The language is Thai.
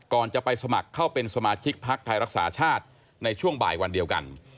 ก่อนจะไปสมัครเข้าเป็นสมาชิกพักไทยรักษาชาติในช่วงบ่ายวันเดียวกัน